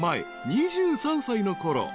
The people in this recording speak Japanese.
２３歳のころ］